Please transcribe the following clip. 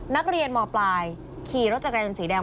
นักเรียนมปลายขี่รถจักรยานสีแดง